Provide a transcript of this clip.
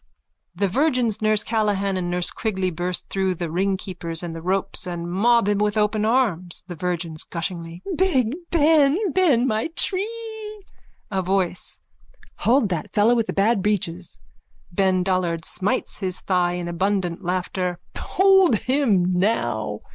(The virgins Nurse Callan and Nurse Quigley burst through the ringkeepers and the ropes and mob him with open arms.) THE VIRGINS: (Gushingly.) Big Ben! Ben my Chree! A VOICE: Hold that fellow with the bad breeches. BEN DOLLARD: (Smites his thigh in abundant laughter.) Hold him now.